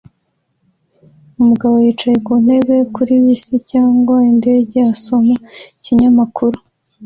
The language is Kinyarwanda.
Umugabo yicaye ku ntebe kuri bisi cyangwa indege asoma ikinyamakuru